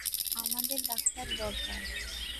আমাদের ডাক্তার দরকার।